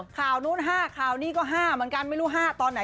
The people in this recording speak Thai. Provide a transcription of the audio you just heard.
ข่าวนู้น๕ข่าวนี้ก็๕เหมือนกันไม่รู้๕ตอนไหน